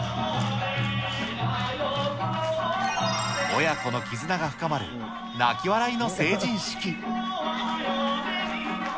親子の絆が深まる、泣き笑いの成人式。